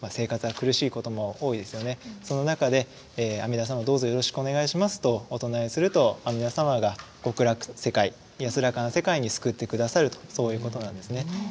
その中で阿弥陀様どうぞよろしくお願いしますとお唱えすると阿弥陀様が極楽世界安らかな世界に救って下さるとそういうことなんですね。